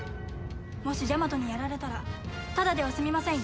もしジャマトにやられたらただでは済みませんよ。